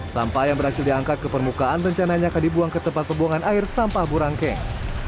sampah yang berhasil diangkat ke permukaan rencananya akan dibuang ke tempat pembuangan air sampah burangkeng